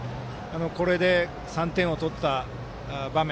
これで３点を取った場面。